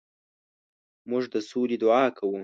موږ د سولې دعا کوو.